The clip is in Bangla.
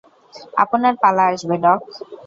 আপনার পালা আসবে, ডক!